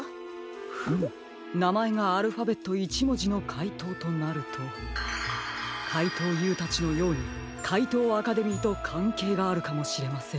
フムなまえがアルファベット１もじのかいとうとなるとかいとうＵたちのようにかいとうアカデミーとかんけいがあるかもしれませんね。